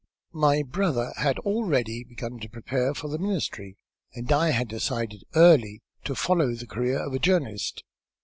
My brother had already begun to prepare for the ministry, and I had decided early to follow the career of a journalist."